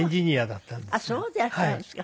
あっそうでいらしたんですか。